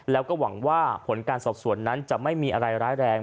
แล้วก็หวังว่าผลการสอบสวนนั้นจะไม่มีอะไรร้ายแรง